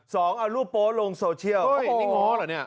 สองเอารูปโป๊ลงโซเชียลเฮ้ยนี่ง้อเหรอเนี่ย